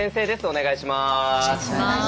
お願いします。